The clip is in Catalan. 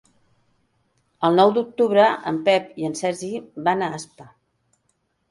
El nou d'octubre en Pep i en Sergi van a Aspa.